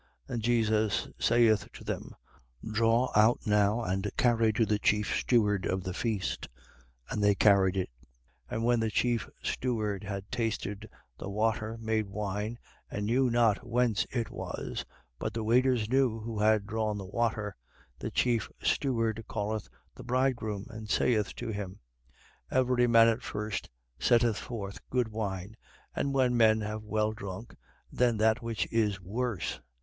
2:8. And Jesus saith to them: Draw out now and carry to the chief steward of the feast. And they carried it. 2:9. And when the chief steward had tasted the water made wine and knew not whence it was, but the waiters knew who had drawn the water: the chief steward calleth the bridegroom, 2:10. And saith to him: Every man at first setteth forth good wine, and when men have well drunk, then that which is worse.